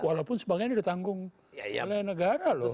walaupun sebagian ini ditanggung oleh negara loh